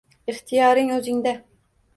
Ixtiyoring o’zingda